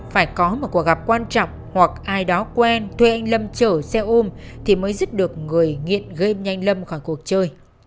phải có một cuộc gặp quan trọng hoặc ai đó quen thuê anh lâm chở xe ôm thì mới dứt được người nghiện game nhanh lâm khỏi cuộc chơi